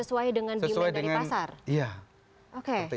sesuai dengan demand dari pasar